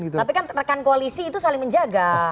tapi kan rekan koalisi itu saling menjaga